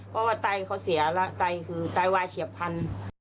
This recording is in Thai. เพราะว่าไตเขาเสียแล้วไตคือไตวายเฉียบพันธุ์